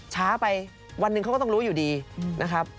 ช้าไปวันหนึ่งเขาก็ต้องรู้อยู่ดีนะครับ